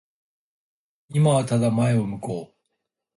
今はただ前を向こう。